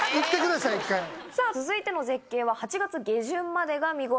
さぁ続いての絶景は８月下旬までが見頃です。